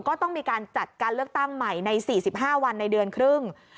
ก็ต้องมีการจัดการเลือกตั้งใหม่ใน๔๕วันในเดือนครึ่ง